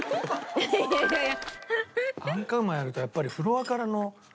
いやいやいやいや。